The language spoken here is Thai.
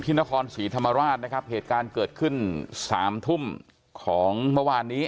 นครศรีธรรมราชนะครับเหตุการณ์เกิดขึ้นสามทุ่มของเมื่อวานนี้